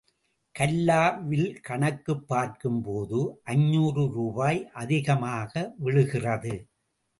கல்லா வில் கணக்குப் பார்க்கும்போது, ஐந்தாறுரூபாய் அதிகமாக விழுகிறது.